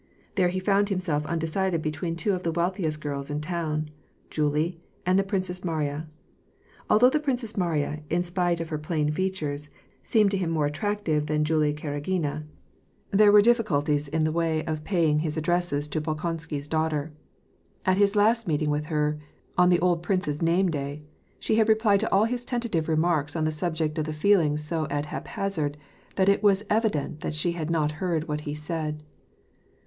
There he found himself undecided between two of the wealthiest girls in town, Julie and the Princess Mariya. Although the Princess Mariya, in spite of her plain features, seemed to him more attractive than Julie Karagina, still there WAR AND PEACE. 325 were difficulties in the way of paying his addresses to Bol konsky^s daughter. At his last meeting with her, on the old prince's name day, she had replied to all his tentative remarks on the subject of the feelings so at haphazard that it was evi dent she had not heard what he said.